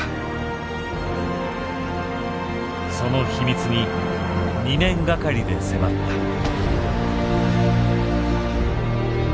その秘密に２年がかりで迫った。